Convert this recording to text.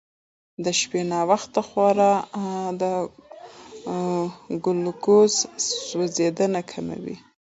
د شپې ناوخته خورا د ګلوکوز سوځېدنه کموي.